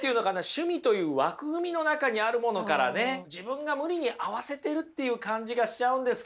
趣味という枠組みの中にあるものからね自分が無理に合わせてるっていう感じがしちゃうんですけどどうですか？